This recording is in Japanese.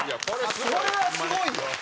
これはすごいよ。